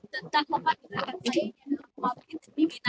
tentang tempat bergerakan saya di mabit di mabit